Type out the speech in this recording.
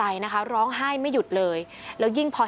ภาพยาบาลธรรมศาสตร์กรรมรายการ